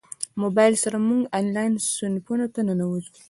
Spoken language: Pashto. موبایل سره موږ انلاین صنفونو ته ننوځو.